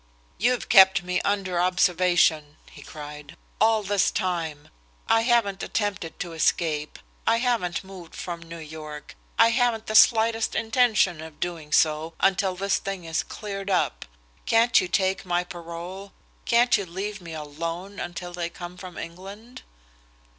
"You've kept me under observation," he cried, "all this time. I haven't attempted to escape. I haven't moved from New York. I haven't the slightest intention of doing so until this thing is cleared up. Can't you take my parole? Can't you leave me alone until they come from England?"